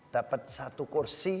dapet satu kursi